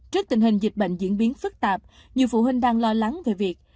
trước tình hình dịch bệnh diễn biến phức tạp nhiều phụ huynh đang lo lắng về việc